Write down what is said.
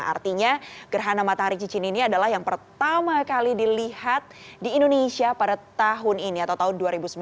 artinya gerhana matahari cincin ini adalah yang pertama kali dilihat di indonesia pada tahun ini atau tahun dua ribu sembilan belas